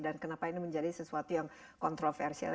kenapa ini menjadi sesuatu yang kontroversial